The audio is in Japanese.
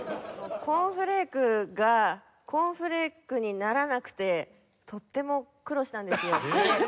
コーンフレークがコーンフレークにならなくてとっても苦労したんですよ。